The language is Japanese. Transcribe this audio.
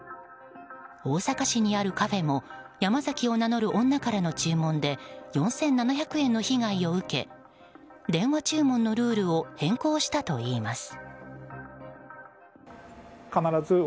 大阪市にあるカフェもヤマザキを名乗る女からの４７００円の被害を受け電話注文のルールを変更したといいます。